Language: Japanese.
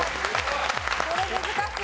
これ難しい。